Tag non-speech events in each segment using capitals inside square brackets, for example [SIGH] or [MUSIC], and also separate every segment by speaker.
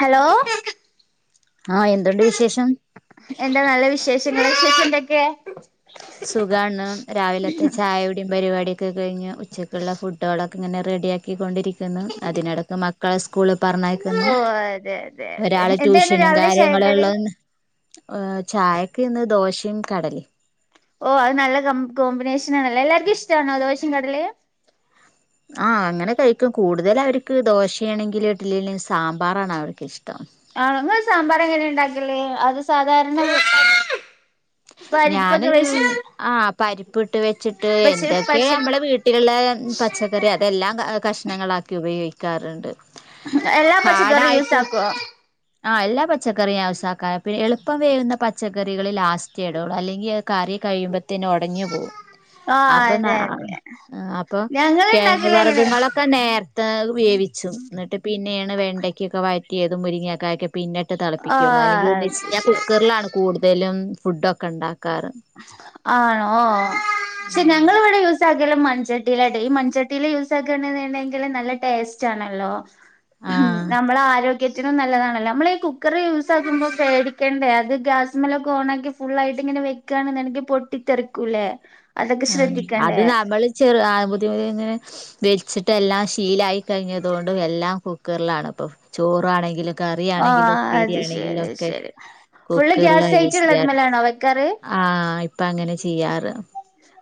Speaker 1: Hello
Speaker 2: ആ എന്തുണ്ട് വിശേഷം?
Speaker 1: [UNINTELLIGIBLE] വിശേഷെ എന്തൊക്കെ?
Speaker 2: സുഖാണ് രാവിലത്തെ ചായ കുടിയും പരിപാടിയൊക്കെ കഴിഞ്ഞ് ഉച്ചക്കുള്ള ഫുഡുകളൊക്കെ ഇങ്ങനെ റെഡി ആാക്കി കൊണ്ടിരിക്കുന്നു അതിനിടക്ക് മക്കളെ സ്കൂളിൽ പറഞ്ഞക്കുന്നു.
Speaker 1: ഓ അതെ അതെ അതെ
Speaker 2: ഒരാള്
Speaker 1: എന്തായിരുന്നു
Speaker 2: ട്യൂഷനും
Speaker 1: രാവിലെ ചായക്കടി
Speaker 2: കാര്യങ്ങളുംള്ള. ഏ ചായക്ക് ഇന്ന് ദോശയും കടലിം.
Speaker 1: ഓ അത് നല്ല കോ കോമ്പിനേഷനാണേലോ എല്ലാർക്കും ഇഷ്ടാണോ ദോശേ കടലെ?
Speaker 2: ആ അങ്ങനെ കഴിക്കും കൂടുതല അവർക്ക് ദോശയാണെങ്കിലും ഇഡലി ആണെങ്കിലും സാമ്പാറാണ അവർക്കക്കിഷ്ടം.
Speaker 1: ആ ങ്ങള് സാമ്പാർ എങ്ങനെ ഇണ്ടാക്കല്ല് അത് സാധാരണ
Speaker 2: ഞാൻ
Speaker 1: പരിപ്പൊക്കെ വെച്ച്
Speaker 2: ആ പരിപ്പ് ഇട്ട് വെച്ചിട്ട്
Speaker 1: പച്ച
Speaker 2: എന്തൊക്കെ
Speaker 1: പച്ച
Speaker 2: നമ്മടെ വീട്ടിലുള്ള പച്ചക്കറി അതെല്ലാം കഷ്ണങ്ങളാക്കി ഉപയോഗിക്കാറുണ്ട്.
Speaker 1: എല്ലാ പച്ചക്കറിം യൂസ് ആക്കോ?
Speaker 2: ആ എല്ലാ പച്ചക്കറിയും യൂസാക്കാ പിന്നെ എളുപ്പം വേവുന്ന പച്ചക്കറികൾ ലാസ്റ്റ് ഇടുള്ളൂ അല്ലെങ്കിൽ കറി കഴിയുമ്പോത്തന്ന് ഒടഞ്ഞു പോവും.
Speaker 1: ആ
Speaker 2: അപ്പൊ നാ
Speaker 1: അതെ അതെ
Speaker 2: അപ്പൊ
Speaker 1: ഞങ്ങൾ
Speaker 2: കെഴങ്ങ്
Speaker 1: ഉണ്ടാക്കല് എങ്ങനെയാ
Speaker 2: വർഗങ്ങളൊക്കെ നേര്ത്തെ വേവി ച്ചും ഇന്നിട്ട് പിന്നേണ് വെണ്ടക്കൊക്കെ വയറ്റ്യേതും മുരിങ്ങാ കായക് പിന്നെട്ട്
Speaker 1: ആ
Speaker 2: തളപ്പിക്ക്യൊള്ളൂ അല്ലെങ്കിൽ
Speaker 1: അത്
Speaker 2: [UNINTELLIGIBLE] ഞാൻ
Speaker 1: ശരി
Speaker 2: കുക്കർലാണ് കൂട്തലും ഫുഡ്ഡൊക്കെണ്ടാക്,
Speaker 1: ആണോ ഷെ
Speaker 2: ഉം
Speaker 1: ഞങ്ങളിവിടെ യൂസാക്കല് മൺ ചട്ടീലാട്ടൊ ഈ മൺചട്ടീല് യൂസാക്കാണ്ന്നിണ്ടെങ്കിൽ നല്ല ടേസ്റ്റാണല്ലോ ഉം
Speaker 2: ആഹ്
Speaker 1: നമ്മെളെ ആരോഗ്യ ത്തിനും നല്ലതാണലോ നമ്മള ഈ കുക്കറ് യൂസാക്കുമ്പോ പേടിക്കണ്ടെ അത് ഗ്യാസ്മ്മലൊക്കെ ഓൺ ആക്കി ഫുള്ളായിട്ട് ഇങ്ങനെ വെ ക്കാണ്ന്നിണ്ടെങ്കി പൊട്ടിത്തെറിക്കൂല്ലേ?
Speaker 2: ആ അത് നമ്മള് ചെറു ആ ബുദ്ധിമു ഇങ്ങനെ വഞൽച്ചിട്ടെല്ലാം ശീലായി കഴിഞ്ഞതോണ്ടു എല്ലാം കുക്കർലാണിപ്പം ചോറാണെങ്കിലും. കറി ആണെങ്കിലും
Speaker 1: ആഹ് അത്
Speaker 2: ഉപ്പേരിയാണെങ്കിലും
Speaker 1: ശരി
Speaker 2: ഒക്കെ
Speaker 1: ശരി ഫുള്ള്
Speaker 2: കുക്കൻലാ
Speaker 1: ഗ്യാസ്
Speaker 2: യൂസെയ്യാർ
Speaker 1: ആയിട്ടുള്ളതുമേലാണോ വെക്കാറ്
Speaker 2: ആഹ് ഇപ്പ അങ്ങനെ ചെയ്യാറ്.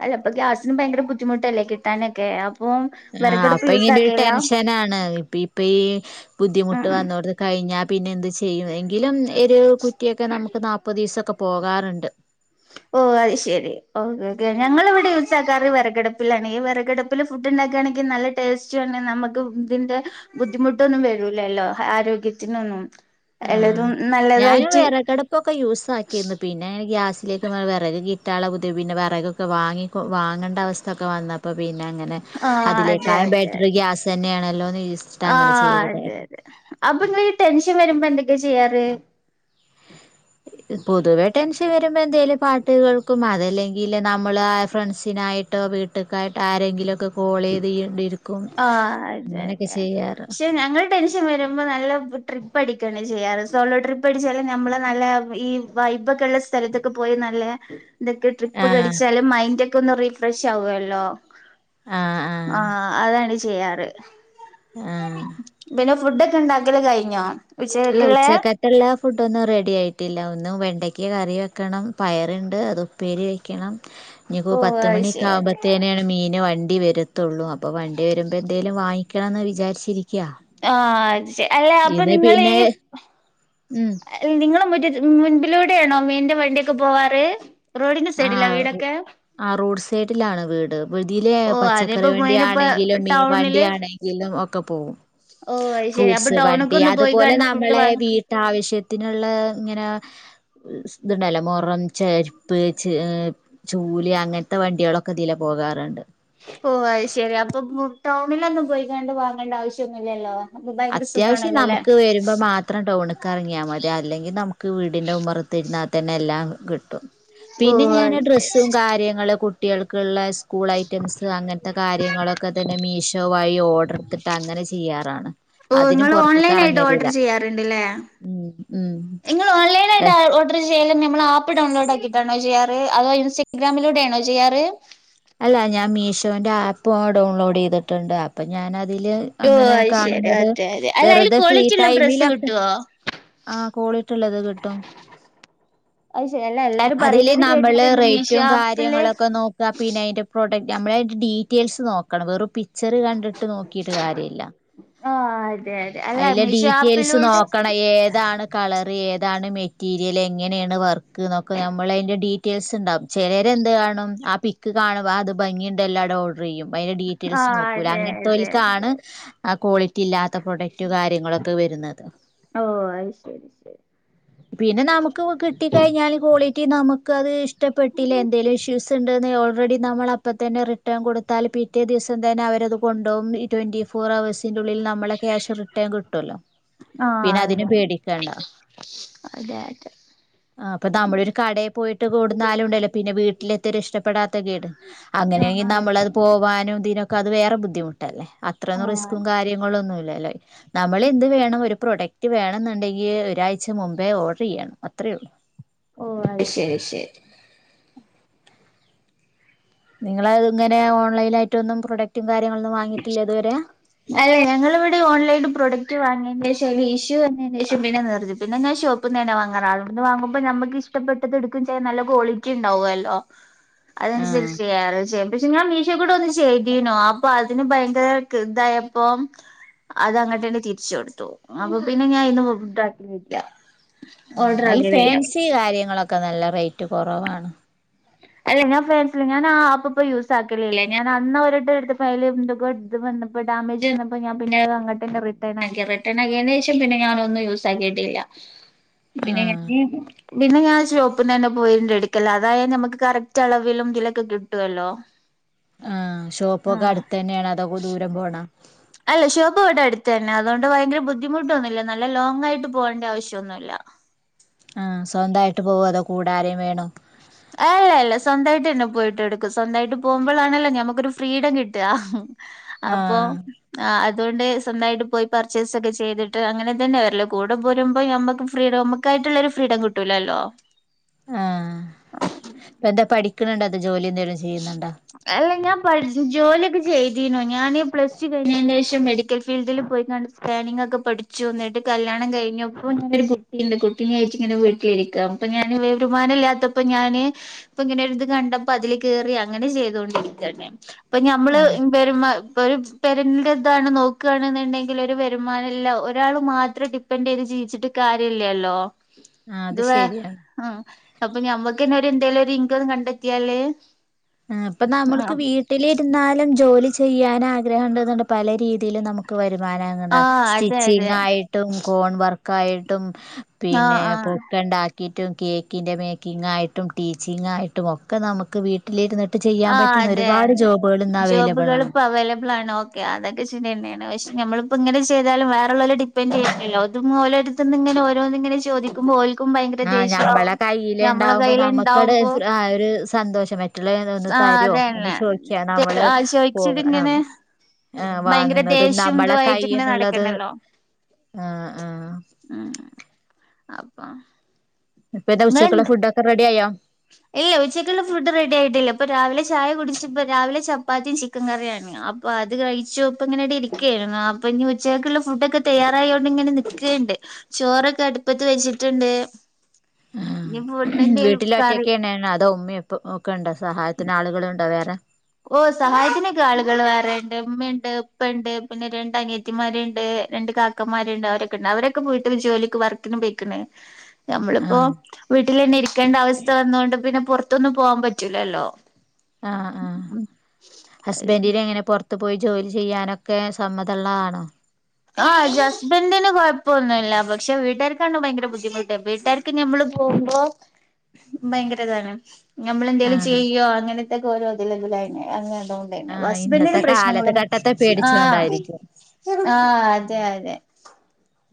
Speaker 1: അല്ലാ ഇപ്പ ഗ്യാസിന് ഭയ്ങ്ക്ര ബുദ്ധിമുട്ടല്ലേ കിട്ടാനക്കെ
Speaker 2: ആ അപ്പ ഇങ്ങനെരു ടെൻഷനാണ് ഇപ്പിപ്പയീ
Speaker 1: ഉം
Speaker 2: ബുദ്ധിമുട്ട്
Speaker 1: ഉം
Speaker 2: വന്നോടുത്ത് കഴിഞ്ഞാ പിന്നെ എന്ത് ചെയ്യും എങ്കിലും ഒരു കുറ്റ്യൊക്കെ നമുക്ക് നാപ്പതീസൊക്കെ പോകാറിണ്ട്.
Speaker 1: ഓ അത് ശരി ഓക്കക്കെ ഞങ്ങൾ ഇവിടെ യൂസ് ആക്കാറ് വെറകടിപ്പിലാണ് ഈ വിറകടപ്പില് ഫുഡ്ഡിണ്ട ക്കണെങ്കിൽ നല്ല ടേസ്റ്റുവാണ് നമുക്ക് ഇതിന്റെ ബുദ്ധിമുട്ടൊന്നും വെരൂലല്ലോ ആരോഗ്യത്തിനൊന്നും
Speaker 2: ആഹ്
Speaker 1: എല്ലതും
Speaker 2: ഞാനും
Speaker 1: നല്ലതായിറ്റ്
Speaker 2: വിറകടുപ്പൊക്കെ യൂസ് ആക്കിരുന്നു പിന്നെ ഇ ഗ്യാ സ്ലേക്ക് വെറക് കിട്ടാള്ള ബുദ്ധി പിന്നെ വെറകൊക്കെ വാങ്ങിക്കൊ വാങ്ങണ്ടവസ്ഥൊക്കെ വന്നപ്പം. പിന്നെ അങ്ങനെ
Speaker 1: ആ അതെ
Speaker 2: അതിലേക്കായം
Speaker 1: അതെ
Speaker 2: ബേറ്റ്ർ
Speaker 1: അതെ
Speaker 2: ഗ്യാസ് തന്നെയാണല്ലോന്ന് [UNINTELLIGIBLE] അങ്ങനെ ചെയ്തെ
Speaker 1: അപ്പൊങ്ങളീ ടെൻഷൻ വെര്മ്പോ എന്തൊക്കേ ചെയ്യാറ്?
Speaker 2: പൊതുവെ ടെൻഷെൻ വരുമ്പന്തേലും പാട്ടു കേൾ ക്കും അതല്ലെങ്കിൽ നമ്മള് ഫ്രണ്ട്സിനായിട്ടോ വീട്ടക്കായി ആരെങ്കിലൊക്കെ
Speaker 1: ആ അതെ
Speaker 2: അങ്ങനെയൊക്കെ
Speaker 1: അതെ
Speaker 2: ചെയ്യാറ്
Speaker 1: ക്ഷെ ഞങ്ങള് ടെൻഷൻ വരുമ്പോ നല്ല ട്രിപ്പടി കാണ് ചെയ്യാറ് സോളോ ട്രിപ്പടിച്ചാല് ഞമ്മള നല്ല ഈ വൈബൊക്കെള്ള സ്ഥൽത്തൊക്കെ പോയി നല്ല എന്തൊക്കെ
Speaker 2: ആഹ്
Speaker 1: ട്രിപ്പക്കടിച്ചാലും മൈൻഡൊക്കൊന്ന് റിഫ്രഷാവോല്ലോ.
Speaker 2: ആ
Speaker 1: ആ അതാണ് ചെയ്യാറ്
Speaker 2: ആഹ്
Speaker 1: പിന്നെ ഫുഡൊക്കെണ്ടാക്കല് കയിഞ്ഞോ?
Speaker 2: ഇല്ല ഉച്ചക്കക്കിള്ള ഫുഡൊന്നും റെഡിയായിട്ടില്ല. ഇന്നു വെണ്ടയ്ക്ക കറി വെക്കണം പയറിണ്ട് അത് ഉപ്പേരി വെയ്ക്കണം. ഞ്ഞ്പ്പൊ
Speaker 1: ഓ അത് ശരി അത് ശരി
Speaker 2: പത്ത്മണിക്കാമ്പോത്തേനാണ് മീന് വ ണ്ടി വരത്തൊള്ളൂ. അപ്പോ വണ്ടി വരുമ്പെന്തേലും വാങ്ങിക്കണന്ന് വിചാരിച്ചിരി
Speaker 1: ആ അത് ശെ അല്ല അപ്പൊ നി
Speaker 2: പിന്നേ
Speaker 1: നിങ്ങള് മുറ്റ മുൻപിലൂടേണോ മീന്റെ വണ്ട്യൊക്കെ പോവാറ്? ടിൻ്റെ
Speaker 2: ആ
Speaker 1: സൈഡിലാ വീടൊക്കെ?
Speaker 2: ആ റോഡ് സൈഡിലാണ് വീട്. ഇതിലെ
Speaker 1: ഓ അതിപ്പോ
Speaker 2: പച്ചക്കറി വണ്ടി
Speaker 1: മെയിനിപ്പ
Speaker 2: ആണെങ്കിലും മീൻ വണ്ടി
Speaker 1: ടൗണില്
Speaker 2: ആണെങ്കിലും ഒ ക്കപ്പോകും.
Speaker 1: ഓ അത് ശെരി അപ്പൊ
Speaker 2: ഫ്രൂട്ട്സ്
Speaker 1: ടൗണൊക്കെ
Speaker 2: വണ്ടി
Speaker 1: ഒന്ന്
Speaker 2: അതുപോലെ
Speaker 1: പോയിക്കാണ്ട് ഫുഡ്
Speaker 2: നമ്മളെ
Speaker 1: വാങ്ങ
Speaker 2: വീട്ടാവശ്യത്തിനിള്ള ഇങ്ങന ഇതിണ്ടല്ലോ മൊറം ചേര്പ്പ് ച് ചൂല് അങ്ങൻത്തെ വണ്ട്യാളൊക്കെ ഇതിലെ പോകാറിണ്ട്.
Speaker 1: ഓ അത് ശെരി അപ്പൊ ടൗണിലൊന്നും പോയികാണ്ട് വാങ്ങണ്ട ആവശ്യന്നുല്ലല്ലോ?
Speaker 2: അത്യാവശ്യം നമുക്ക് വരുമ്പോ മാത്രം ടൗണ്ക്കറങ്ങിയാ മതി അല്ലെങ്കി നമുക്ക് വീടിന്റെ ഉമറത്ത് ഇരുന്ന തന്നെ എല്ലാം കിട്ടും
Speaker 1: ഓ
Speaker 2: പിന്നെ
Speaker 1: അത്
Speaker 2: ഞാന്
Speaker 1: ശരി
Speaker 2: ഡ്രസ്സും കാര്യങ്ങളു കുട്ട്യാൾക്കിള്ളെ സ് കൂൾ ഐറ്റംസ് അങ്ങൻത്തെ കാര്യങ്ങളൊക്കെ തന്നെ മീഷോ വായി ഓർഡർ എടുത്തിട്ട് അങ്ങനെ ചെയ്യാറാണ്.
Speaker 1: ഓ
Speaker 2: അതിനും
Speaker 1: ങ്ങൾ
Speaker 2: പുറത്തേക്ക്
Speaker 1: ഓൺലൈനായിട്ട്
Speaker 2: ഇറങ്ങലില്ല
Speaker 1: ഓർഡർ ചെയ്യാറ്ണ്ട്ല്ലേ?
Speaker 2: ഉം ഉം
Speaker 1: ഇങ്ങൾ ഓൺലൈനായിട്ടാ ഓർഡറ് ചെയ്യ നമ്മളാപ്പ് ഡൗൺലോഡാക്കിട്ടാണോ ചെയ്യാ? അതോ ഇൻസ്റ്റാഗ്രാമിലൂടേണോ ചെയ്യാറ്?
Speaker 2: പോന്റെ ആപ്പ് ഓൻ ഡൗൺലോഡ് ചെയ്തിട്ടുണ്ട് ആപ്പ് ഞാൻ അതില്
Speaker 1: ഓ
Speaker 2: അങ്ങനെ
Speaker 1: അത് ശരി
Speaker 2: കാണുന്നത്
Speaker 1: അതെ അതെ അല്ല അയില്
Speaker 2: വെറുതെ ഫ്രീ
Speaker 1: ക്വാളിറ്റിള്ള ഡ്രസ്സ്
Speaker 2: ടൈമിലൊക്കെ
Speaker 1: കിട്ടുവോ
Speaker 2: ആ കോളിട്ട്ള്ളത് കിട്ടും.
Speaker 1: അത് ശരി അല്ല എല്ലാരും
Speaker 2: അതില്
Speaker 1: പറയുന്നത്
Speaker 2: നമ്മള്
Speaker 1: കേട്ടിട്ടുണ്ട് മീഷോ
Speaker 2: റേറ്റും
Speaker 1: ആപ്പില്
Speaker 2: കാര്യങ്ങളൊക്കെ നോക്കുക പിന്നെ അയിൻ്റെ പ്രോഡക്റ്റ് നമ്മെ ഡീറ്റെയിൽസ് നോക്കണം വെറും പി ചിറി കണ്ടിട്ട് നോക്കിട്ട് കാര്യല്ല.
Speaker 1: ആഹ് അതെ അതെ അല്ല
Speaker 2: അയിലെ
Speaker 1: മീഷോ
Speaker 2: ഡീറ്റെൽസ്
Speaker 1: ആപ്പിലൂടെ
Speaker 2: നോക്കണം ഏതാണ് കളറ് ഏത് ന്താണ് മെറ്റീരിയല് എങ്ങനേണ് വർക്ക് ന്നൊക്കെ നമ്മള് അയിന്റെ ഡീറ്റെയിൽസ് ണ്ടാവും ചിലരെന്ത കാണും ആ പി ത് കാണ്പ ത് ഭംഗിയ്ണ്ടല്ലോ അ ണ്ടോർഡറിയ്യും. ഭയങ്കര ഡീറ്റെയിൽസ്
Speaker 1: ആഹ്
Speaker 2: നോക്കൂല
Speaker 1: അതെ
Speaker 2: അങ്ങൻത്തോ
Speaker 1: അതെ
Speaker 2: ല്ക്കാണ്
Speaker 1: അതെ
Speaker 2: ആ ക്വാളിറ്റില്ലാത്ത ത്തെ പ്രൊഡക്റ്റ് കാര്യങ്ങളൊക്കെ വരുന്നത്.
Speaker 1: ഓ അത് ശരി ശരി
Speaker 2: പിന്നെ നമുക്ക് കിട്ടിക്കഴിഞ്ഞാല് കോളേജ് പറ്റി നമുക്ക് അത് ഇഷ്ടപ്പെട്ടില്ല എന്തെലും ഇഷ്യൂസ് ണ്ട്ന്നോല് ഓൾറെഡി നമ്മള അപ്പം തന്നെ റിട്ടേൺ കൊടുത്താൽ പിറ്റേ ദിവസം തന്നെ അവരത് കൊണ്ടുപോവും ട്വന്റി ഫോർ അവേഴ്സ്. ത്തിനുള്ളിൽ നമ്മളെ ക്യാഷ് റിട്ടേൺ കിട്ടോല്ലോ.
Speaker 1: ആ
Speaker 2: പിന്നെ അതിന് പേടിക്കണ്ട
Speaker 1: അതെ അതെ അതെ
Speaker 2: ആ അപ്പൊ നമ്മളൊരു കടേ പോയിട്ട് കൊടുന്നാലും ണ്ടല്ലോ പിന്നെ വീട്ടിലെത്തിയൊ രിഷ്ടപ്പെ ഇഷ്ടപ്പെടാത്ത കേട് അങ്ങനെങ്കി
Speaker 1: ആ അതെ
Speaker 2: നമ്മളത്
Speaker 1: ആ
Speaker 2: പോവാനുംതിനൊക്കത് വേറെ ബുദ്ധിമുട്ടല്ലേ. അത്രൊന്നും റിസ്കും
Speaker 1: അതെ.
Speaker 2: കാര്യങ്ങളൊന്നുല്ലല്ലേ നമ്മൾ എന്ത് വേണം ഒരു പ്രോഡക്റ്റ് റ്റ് വേണന്ന്ണ്ടെങ്കി ഒരാഴ്ച മുമ്പേ ഓർഡറെ യ്യണം അത്രേള്ളു
Speaker 1: ഓ അഹ്ശരി ശരി
Speaker 2: നിങ്ങളഹ് ങ്ങനെ ഓൺലൈനായിട്ട് ഒന്നും പ്രൊഡക്റ്റ്
Speaker 1: അല്ലെ ഞങ്ങള്വ്ടെ ഓൺലൈൻ ൽ പ്രൊഡക്ട് വാങ്ങി നേശ വിഷുവന്നേനേഷം പിന്നെ നിർത്തി പിന്നെ ഞാ ഷോപ്പിന്നെന്നെ വാങ്ങാറ് അവ്ട്ന്ന് വാങ്ങുമ്പോ ഞമ്മക്ക് ഇഷ്ടപ്പെട്ടത് എടുക്കും ചെയ്യ നല്ല ക്വാളിറ്റി ണ്ടാവുല്ലോ
Speaker 2: ആഹ്
Speaker 1: അതനുസരിച്ചെയ്യ ചെയ്യാം പക്ഷെ ഞാൻ മീഷോ കൂടെ ഒന്ന് ചെയ്തീനു ആ പ്പ തിന് ഭയങ്കര തായപ്പം അതങ്ങട്ടെന്നെ തിര്ച്ചൊട്ത്തു അപ്പൊ പിന്നെ ഞാൻ ഇന്നും ഫുഡാക്കീല്ല
Speaker 2: ആ അയ്ല് ഫാൻസി കാര്യങ്ങളൊക്കെ നല്ല റേറ്റ് കൊറവാണ്
Speaker 1: അല്ലെ ഞാൻ ഫാൻസി ഞാനാ ആപ്പ് പ്പ യൂസാക്കലില്ല ഞാൻ അന്ന് ഒരട്ടെട്ത്ത് ഫയല് ന്തക്കോ ത് ന്ന്പ്പ ഡാമേജെന്നപ്പോ ഞാ പിന്നെ അഹ് അങ്ങട്ടെന്നെ റിട്ടേൺ ആക്ക്യാ റിട്ടേണയ്നേഷം പിന്നെ ഞാനൊന്നും യൂസ് ആക്കിയിട്ടില്ല പിന്നെങ്ങനെ
Speaker 2: ആഹ്
Speaker 1: പിന്നെ ഞാൻ ഷോപ്പ്ന്നെന്നെ പോയിണ്ട്ടുക്കല അതായ ഞമ്മക്ക് കറക്റ്റ് അളവിലും തിലൊക്കെ കിട്ടുവല്ലോ
Speaker 2: ആ ഷോപ്പൊക്കെ
Speaker 1: ഉം
Speaker 2: അടുത്തെന്നേണോ അതൊ ദൂരം പോണോ
Speaker 1: അല്ല ഷോപ്പ് വടെ അട്ത്തെന്നെ അതോണ്ട് ഭയങ്കര ബുദ്ധിമുട്ടൊന്നുല്ല നല്ല ലോങ്ങായിട്ട് പോവേണ്ട ആവശ്യന്നുല്ല [INAUDIBLE]
Speaker 2: ആ സ്വന്തായിട്ട് പോവൊ അതോ കൂടാരേം വേണോ
Speaker 1: ഏ അല്ല സ്വന്തായിട്ടെന്നെ പോയിട്ട് എടുക്കും സ്വന്തായിട്ട് പോവുമ്പളാണല്ലോ ഞമ്മക്കൊരു ഫ്രീഡം കിട്ട. അപ്പൊ
Speaker 2: ആഹ്
Speaker 1: ആ അ അതോണ്ട് സ്വന്തായിട്ട് പോയി പർച്ചേസൊക്കെ ചെയ്തിട്ട് അങ്ങനെ തന്നെ വര്ല് കൂടെ പോരുമ്പോ ഞമ്മക്ക് ഫ്രീഡം മ്മക്കാ റ്റ്ള്ളൊര് ഫ്രീഡം കിട്ടൂലല്ലോ
Speaker 2: ആഹ് യ്യെന്താ പഠിക്ക്ണ് ണ്ടോ അതോ ജോലി ന്തേലും ചെയ്യ്ന്ന്ണ്ടോ?
Speaker 1: പട്ച്ച് ജോല്യോക്കെ ചെയ്തീനു ഞാൻ പ്ലസ് ടു കഴിഞെയ്നേഷം മെഡിക്കൽ ഫീൽഡിൽ പോയികാണ്ട് സ്കാനിങ് ക്കെ പഠിച്ചു വന്നിട്ട് കല്യാണം കഴിഞ്ഞപ്പോ ഞാനൊരു കുട്ടിയുണ്ട് കുട്ടിനേറ്റ്ങ്ങനെ വീട്ടിലിരിക്ക പ്പ ഞാന് വരുമാനം ല്ലാത്തപ്പോ ഞാന് പ്പ ങ്ങനൊര് കണ്ടപ്പോ അതില് കേറി അങ്ങനെ ചെയ്തോണ്ടിരിക്കന്നെ പ്പൊ മ്മള്
Speaker 2: ആഹ്
Speaker 1: വരുമ പ്പൊരു പെരന്റെ താണ് നോക്കാണ്ന്ന്ണ്ടെങ്കിലൊരു വരുമാനല്ല ഒരാൾ മാത്രം ഡിപ്പെൻന്റെയ്ത് ജീ വിച്ചിട്ട് കാര്യല്ലല്ലോ
Speaker 2: ആഹ് അത്
Speaker 1: ത് വേ
Speaker 2: ശരിയാണ്
Speaker 1: അപ്പ ഞമ്മക്കെന്നെ ന്തേലൊരിങ്കം കണ്ടെത്തിയാല്.
Speaker 2: ആ പ്പ നമ്മൾക്ക് വീട്ടിലിര്ന്നാലും. ജോലി ചെയ്യാനാഗ്രഹം ണ്ട്ന്ന്ണ്ട. പല രീതിയിലും നമുക്ക് വരു മാന
Speaker 1: ആഹ്
Speaker 2: [UNINTELLIGIBLE]
Speaker 1: അതെ അതെ
Speaker 2: സ്റ്റിച്ചിങ്ങായിട്ടും. കോൺ വർക്കായിട്ടും.
Speaker 1: ആഹ്
Speaker 2: പിന്നെ
Speaker 1: ആഹ്
Speaker 2: പൊക്കണ്ടാ ക്കിറ്റും കേക്കിൻ്റെ, മേക്കിങ്ങായിട്ടും, ടീച്ചിങ്ങായിട്ടും, ഒക്കെ നമുക്ക് വീട്ടിലിര്ന്ന് ചെയ്യാൻ
Speaker 1: ആഹ്
Speaker 2: പറ്റുന്ന
Speaker 1: അതെ
Speaker 2: ഒരുപാട്
Speaker 1: അതെ
Speaker 2: ജോബ്‌.
Speaker 1: ജോബുകൾ പ്പോ അവൈലബ്ളാണ്. ഓക്കെ അതൊക്കെ ശെര്യന്നേണ്. പക്ഷെ ഞമ്മള് പ്പ ങ്ങനെ ചെയ്താലും വേറെ ള്ളോലെ ഡിപ്പെന്റെയ്യണ്ടല്ലോ. ത് ഓലെട്ത് ന്ന്ങ്ങനെ ഓരോന്ന് ങ്ങനെ ചോദിക്കുമ്പോ ഓൽ
Speaker 2: ആ ഞമ്മളെ കയ്യിൽ ണ്ടാവുമ്പോ നമ്മുക്കട്
Speaker 1: കയ്യില്ണ്ടാവുമ്പോ
Speaker 2: ആ ഒര് സന്തോഷം. [UNINTELLIGIBLE]
Speaker 1: ആഹ്
Speaker 2: തരോ ഒന്ന്
Speaker 1: അതന്നെ
Speaker 2: ചോയ്ക്ക്യാ നമ്മള്
Speaker 1: ആഹ്
Speaker 2: പോവണം.
Speaker 1: ചോയിച്ചിട്ടിങ്ങനെ
Speaker 2: ആ
Speaker 1: ഭയങ്കര
Speaker 2: വാങ്ങുന്നതും
Speaker 1: ദേഷ്യം
Speaker 2: നമ്മളെ
Speaker 1: ഇതുവായിട്ട് ഇങ്ങനെ
Speaker 2: കയ്യ്ന്ന്ള്ളത്.
Speaker 1: നടക്കണ്ടല്ലോ ഉം അപ്പം.
Speaker 2: ഇപ്പതെ ഉച്ചക്ക്ള്ള ഫുഡോക്കെ റെഡ്യായൊ?
Speaker 1: ഇല്ല ഉച്ചക്കുള്ള ഫുഡ് റെഡ്യായിട്ടില്ല. പ്പൊ രാവിലെ ചായ കുടിച്ച് പ്പ രാവിലെ ചപ്പാത്തിം ചിക്കൻ കറിയാണ്. അപ്പൊ അത് കഴിച്ചു പ്പ ങ്ങനാടെ ഇരിക്കേര്ന്നു. അപ്പ ഞ് ഉച്ചക്കുള്ള ഫുഡൊക്കെ തയ്യാറായോണ്ട് ങ്ങനെ നിക്ക ണ്ട് ചോറൊക്കെ അട്പ്പത്ത് വെച്ച്ട്ട്ണ്ട് ഞ് പ്പ [UNINTELLIGIBLE] ന്തേലു
Speaker 2: റ്റൊക്കെന്നേണോ അതോ ഉമ്മ ഉപ്പ ഒക്കെ ണ്ടോ സഹായത്തിന് ആളുകള് ണ്ടോ വേറെ.
Speaker 1: ഓ സഹായത്തിനൊക്കെ ആളുകൾ വേറെ ണ്ട് ഉമ്മ്യണ്ട്, ഇപ്പണ്ട്, പിന്നെ രണ്ട് അനിയത്തിമാര്ണ്ട്. കാക്കമാര്ണ്ട്, അവരൊക്കെണ്ട് അവരൊക്കെ വീട്ടില് ജോലിക്ക് വർക്കിന് പെയ്ക്ക്ണ്. ഞമ്മള്പ്പോ
Speaker 2: ആഹ്
Speaker 1: വീട്ടിലെന്നെ ഇരിക്കേണ്ട അവസ്ഥ വന്നൊണ്ട്. പിന്നെ പുറത്തൊന്നും പോവാൻ പറ്റൂലല്ലോ.
Speaker 2: ആ ആ ഹസ്ബൻണ്ടിനെങ്ങനെ പൊറത് ത്ത് പോയി ജോലി ചെയ്യാനൊക്കെ സമ്മതമള്ളതണോ.
Speaker 1: ആഹ അസ്ബന്റിന് കൊഴപ്പൊന്നുമില്ല. പക്ഷെ വീട്ടുകാർക്കാണ് ഭയങ്കര ബുദ്ധിമുട്ട്. വീട്ടുകാർക്ക് നമ്മള് പോകുമ്പോ ഭയങ്കരതാണ്. നമ്മളെന്തെങ്കലും
Speaker 2: ആഹ്
Speaker 1: ചെയ്യോ അങ്ങനത്തെക്കെ ഓരോ തില് തില് അങ്ങന. [UNINTELLIGIBLE]
Speaker 2: ആഹ്
Speaker 1: ഹസ്ബെന്റിന്
Speaker 2: ഇന്നത്തെ കാലത്ത്
Speaker 1: പ്രശ്നങ്ങളൊന്നും
Speaker 2: ഘട്ടത്തെ
Speaker 1: ആ
Speaker 2: പേടിച്ചോണ്ടായിരിക്കും
Speaker 1: ആ
Speaker 2: ഉം
Speaker 1: അതെ അതെ.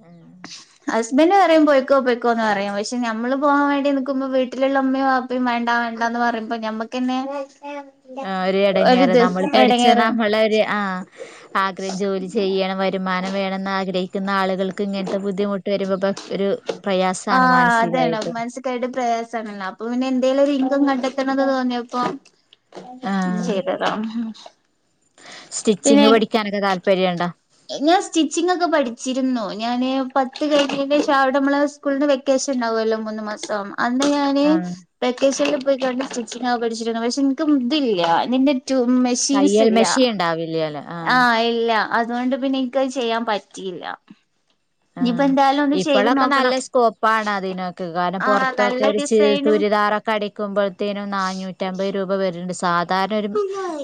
Speaker 2: ഉം
Speaker 1: ഹസ്ബന്റെ പറയും പോയ്ക്കോ പോയ് ക്കോന്ന് പറയും. പക്ഷെ നമ്മള് പോവാൻ വേണ്ടി നൽക്കുമ്പോ വീട്ടിലുള്ള ഉമ്മയും വാപ്പയും വേണ്ട ണ്ടന്ന് പറയുബോ ഞമ്മക്ക്ന്നെ
Speaker 2: ആ ഒരു എടങ്ങേറ് നമ്മൾ പഠിച്ച
Speaker 1: എടങ്ങേറ്
Speaker 2: നമ്മളോരു ആ ആഗ്രഹി ജോലി ചെയ്യണം വരു രുമാനം വേണമെന്ന് ആഗ്രഹിക്കുന്ന ആളുകൾക്ക്. ഇങ്ങത്തെ ബുദ്ധിമുട്ട് വരുമ്പോ പ ഒരു
Speaker 1: ആ
Speaker 2: പ്രയാസാണ്
Speaker 1: അതെണ്
Speaker 2: മാനസികായിട്ടും
Speaker 1: മനസ്സിക്കായിട്ട് പ്രയാസണല്ലോ അപ്പൊ പിന്നെ എന്തെലും ഒരു ഇൻകം കണ്ടെത് കടതണം തോന്നിയപ്പോ
Speaker 2: ആഹ്
Speaker 1: ചെയതതാ
Speaker 2: സ്റ്റിച്ചിങ് പഠിക്കാനൊക്കെ താല്പര്യണ്ടാ?
Speaker 1: ഞാൻ സ്റ്റിച്ചിങ് ഒക്കെ പഠിച്ചിരുന്നു. ഞാന് പത്ത് കഴിഞ്ഞിന് ശേഷം അവിടെ നമ്മള് സ്കൂളിന് വെക്കേഷൻ ഉണ്ടാവുമല്ലോ മൂന്ന് മാസം. അന്ന് ഞാന്
Speaker 2: ആഹ്
Speaker 1: വെക്കേഷനിൽ പോയി കണ്ട് സ്റ്റിച്ചിങ്ങ് ആ പഠിച്ചിരുന്നു. പക്ഷെ എൻക്കും ഇതില്ല തിന്റെ ററു മെഷീൻസ്
Speaker 2: തയ്യൽ
Speaker 1: ഇല്ല
Speaker 2: മെഷീൻ ഉണ്ടാവില്ലേല്ലോ
Speaker 1: ആ
Speaker 2: ആഹ്
Speaker 1: ഇല്ല. അതൊണ്ട് പിന്നെ ഇൻക്കത് ചെയ്യാൻ പറ്റിയില്ല.
Speaker 2: ആ
Speaker 1: ഇനിയിപ്പോ എന്തായാലും ഒന്ന് ചെയ്ത്
Speaker 2: ഇപ്പോഴൊക്കെ നല്ല
Speaker 1: നോക്കണം
Speaker 2: സ്കോപ്പാണ്. അതിനൊക്കെ കാരണം പൊ
Speaker 1: ആഹ് നല്ല
Speaker 2: റത്തൊക്കെരു
Speaker 1: ഡിസൈനും
Speaker 2: [UNINTELLIGIBLE] ദാറൊക്കെ അടിക്കുമ്പോഴത്തേനും നാനൂറ്റഅമ്പത് രൂപ വരുന്നുണ്ട് സാധ്യ [UNINTELLIGIBLE]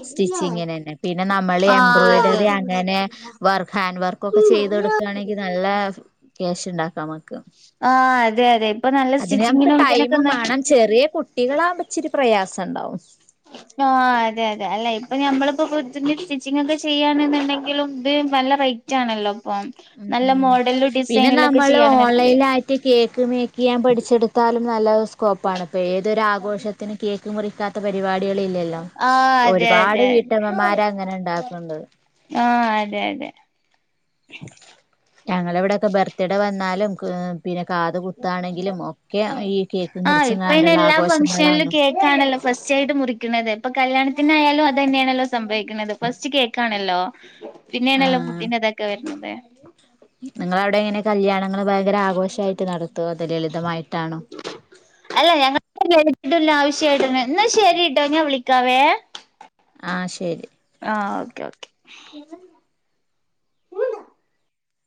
Speaker 2: സ്റ്റിച്ചിങ്ങിനന്നെ പിന്നെ നമ്മൾ
Speaker 1: ആഹ്
Speaker 2: എംബ്രോയിഡറി അങ്ങനെ
Speaker 1: അതെ
Speaker 2: വർക്ക് ഹാൻഡ് വർക്ക് ക്കൊക്കെ ചെയ്ത് യെടുക്കയാണെങ്കിൽ. നല്ല ക്യാഷ് ഉണ്ടാക്കാം നമക്ക്.
Speaker 1: ആഹ് അതെ അതെ ഇപ്പൊ നല്ല
Speaker 2: അതിന് നമക്ക്
Speaker 1: സ്റ്റിച്ചിങ്ങിനും
Speaker 2: ടൈമും
Speaker 1: ഇതിനൊക്കെന്ന്
Speaker 2: വേണം. ചെറിയ കുട്ടികളാവകുമ്പോ ഇച്ചിരി പ്രയാസം. ണ്ടാവും.
Speaker 1: ആ അതെ അതെ അല്ലെ ഇപ്പൊ ഞമ്മളിപ്പോ [UNINTELLIGIBLE] സ്റ്റിച്ചിങ് ഒക്കെ ചെയ്യണ്ന്നുണ്ടെങ്കിലും ത് മ നല്ല റേറ്റ് ആണല്ലോ. ഇപ്പം
Speaker 2: ആ
Speaker 1: നല്ല
Speaker 2: ആ
Speaker 1: മോഡലിലും
Speaker 2: പിന്നെ
Speaker 1: ഡിസൈനിലൊക്കെ
Speaker 2: നമ്മള്
Speaker 1: ചെയ്യാണെന്നുണ്ടെങ്കില്
Speaker 2: ഓൺലൈനായിട്ട് കേക്ക് മേക്ക്യ്യേൻ പഠിച്ചെടുത്താലും നല്ലോര് സ്കോപ്പാണ് ഇപ്പൊ ഏതൊരാഘോഷത്തിനും കേക്ക് മുറിക്കാത്ത പരിപാടി ടികളില്ലല്ലോ
Speaker 1: ആഹ് അതെ
Speaker 2: ഒരുപാട്
Speaker 1: അതെ
Speaker 2: വീട്ടമ്മമാര് അങ്ങനെണ്ടാക്ക്ണ്ട്.
Speaker 1: ആ അതെ അതെ.
Speaker 2: ഞങ്ങളെവിടെയൊക്കെ ബർത്ത്ഡേ വന്നാലും ക് പിന്നെ കാത് കുത്താണെങ്കിലും ഒക്കെ ഈ കേക്ക്
Speaker 1: ആഹ്
Speaker 2: മുറിച്ച്
Speaker 1: ഇപ്പൊ അയിന്
Speaker 2: കാണ്ടുള്ള
Speaker 1: എല്ലാ ഫംഗ്ഷനിലും
Speaker 2: ആഘോഷങ്ങളാണ്.
Speaker 1: കേക്കാണല്ലോ ഫസ്റ്റ് ആയിട്ട് മുറിക്ക്ണതേ ഇപ്പൊ കല്യാണ ത്തിനായാലും അതെന്നെയാണല്ലോ സംഭവിക്കുന്നത് ഫസ്റ്റ് കേക്കാണല്ലോ. പിന്നെണല്ലോ
Speaker 2: ആഹ്
Speaker 1: ഫുഡിന്റെ തൊക്കെ വര്ണത്.
Speaker 2: നിങ്ങളവിടെ എങ്ങനെ കല്യാണങ്ങള് ഭയങ്കര ആഘോഷായിട്ട് നടത്തോ അതോ ലളിതമായിട്ടാണോ
Speaker 1: അല്ല ഞങ്ങ [UNINTELLIGIBLE] ആവശ്യയിട്ടന്നെ ന്നാ ശരിട്ടോ ഞാൻ വിളിക്കാവേ.
Speaker 2: ആ ശരി.
Speaker 1: ആ ഓക്കെ ഓക്കെ.